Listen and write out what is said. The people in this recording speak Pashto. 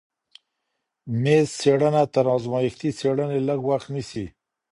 میز څېړنه تر ازمایښتي څېړنې لږ وخت نیسي.